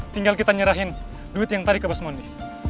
tinggal kita nyerahin duit yang tadi ke bos mondi